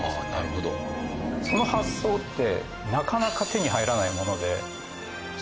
その発想ってなかなか手に入らないもので。